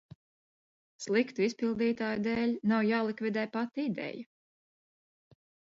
Sliktu izpildītāju dēļ nav jālikvidē pati ideja.